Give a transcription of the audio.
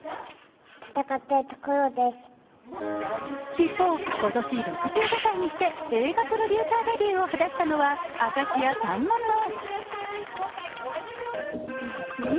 一方、今年６５歳にして映画プロデューサーデビューを果たしたのは明石家さんまさん。